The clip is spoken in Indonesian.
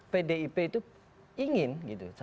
pdip itu ingin gitu